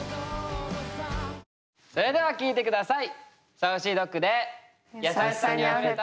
それでは聴いて下さい！